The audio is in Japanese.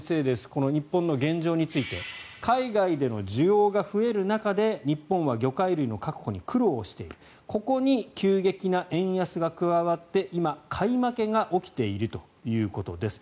この日本の現状について海外での需要が増える中で日本は魚介類の確保に苦労しているここに急激な円安が加わって今、買い負けが起きているということです。